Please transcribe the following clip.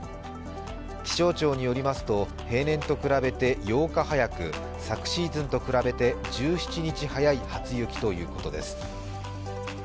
気象庁によりますと、平年と比べて８日早く、昨シーズンと比べて１７日早い初雪ということです。